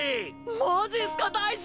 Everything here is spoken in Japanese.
マジっすか大将！